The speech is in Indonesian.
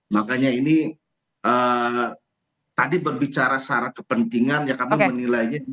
makanya ini tadi berbicara secara kepentingan ya kamu menilainya